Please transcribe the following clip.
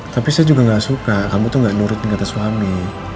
tapi saya juga gak suka kamu tuh gak nurutin kata suami